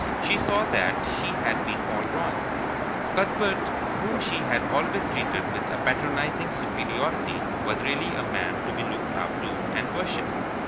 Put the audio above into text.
She saw that she had been all wrong. Cuthbert, whom she had always treated with a patronizing superiority, was really a man to be looked up to and worshipped.